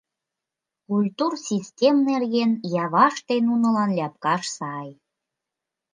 Культур-систем нерген Яваште нунылан ляпкаш сай.